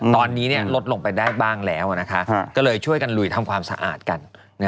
ตอนนี้ลดลงไปได้บ้างแล้วก็เลยช่วยกันลุยทำความสะอาดกัน